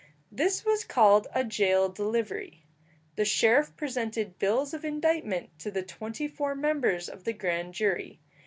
This was called a jail delivery. The sheriff presented bills of indictment to the twenty four members of the grand jury.